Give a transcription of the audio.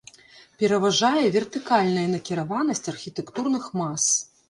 Пераважае вертыкальная накіраванасць архітэктурных мас.